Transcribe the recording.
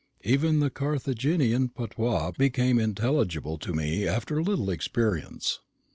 Even, the Carthaginian patois became intelligible to me after a little experience.